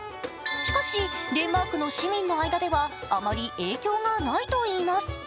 しかしデンマークの市民の間ではあまり影響がないといいます。